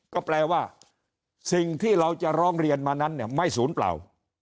ก็แปลว่าสิ่งที่เราจะร้องเรียนมานั้นไม่ศูนย์เปล่า